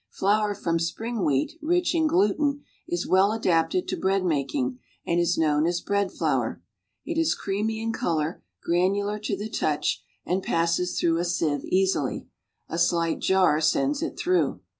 Flour from spring wheat, rich in gluten, is well adapted to bread making and is known as bread flour; if is creamy in color, granular to the touch and passes through a sieve easily; a slight jar sends it through.